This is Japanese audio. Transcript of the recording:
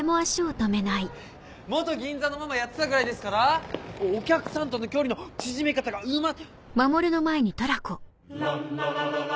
銀座のママやってたぐらいですからお客さんとの距離の縮め方がうま。